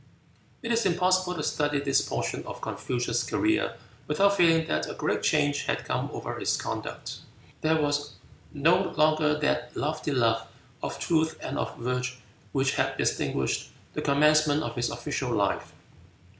It is impossible to study this portion of Confucius' career without feeling that a great change had come over his conduct. There was no longer that lofty love of truth and of virtue which had distinguished the commencement of his official life.